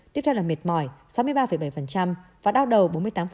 tiếp theo là miệt mỏi sáu mươi ba bảy và đao đầu bốn mươi tám